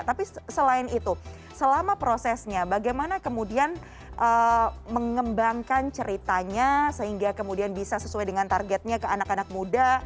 tapi selain itu selama prosesnya bagaimana kemudian mengembangkan ceritanya sehingga kemudian bisa sesuai dengan targetnya ke anak anak muda